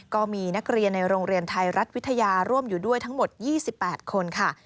ก็มีนักเรียนในโรงเรียนไทยรัฐวิทยาร่วมอยู่ด้วยทั้งหมด๒๘คนค่ะ